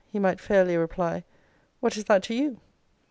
he might fairly reply, 'What is that to you?'